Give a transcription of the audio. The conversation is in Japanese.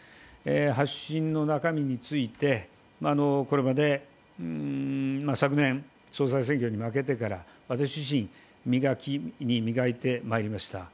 発信の中身について、昨年、総裁選挙に負けてから私自身、磨きに磨いてまいりました